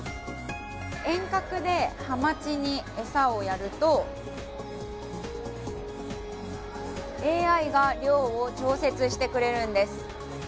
遠隔で、はまちに餌をやると、ＡＩが量を調節してくれるんです。